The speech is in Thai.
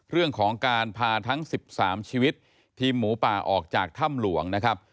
เรื่องของการพาทั้ง๑๓ชีวิตทีมหมูป่าออกจากถ้ำหลวงนะครับ